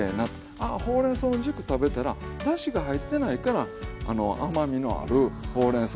あほうれんそうの軸食べたらだしが入ってないから甘みのあるほうれんそうの軸１本でもあ